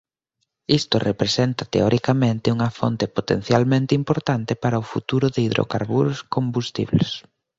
Isto representa teoricamente unha fonte potencialmente importante para o futuro de hidrocarburos combustibles.